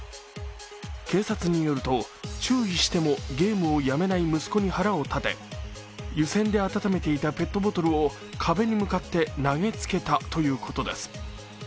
警察によると、注意してもゲームをやめない息子に腹を立て湯せんで温めていたペットボトルを壁に向かって投げつけたということです。